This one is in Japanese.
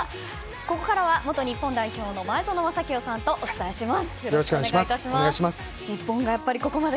ここからは元日本代表の前園真聖さんとお伝えします。